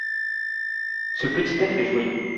Ce petit être est joyeux.